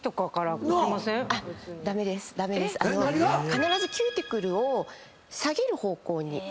必ずキューティクルを下げる方向に。